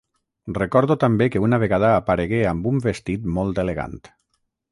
Recordo també que una vegada aparegué amb un vestit molt elegant.